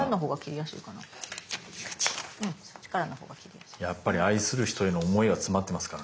やっぱり愛する人への思いが詰まってますからね。